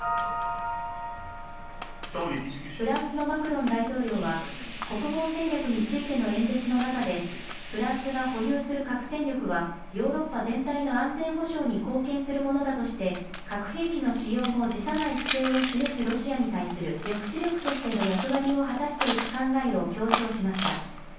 フランスのマクロン大統領は、国防戦略についての演説の中で、フランスが保有する核戦力はヨーロッパ全体の安全保障に貢献するものだとして、核兵器の使用も辞さない姿勢を示すロシアに対する抑止力としての役割を果たしていく考えを強調しました。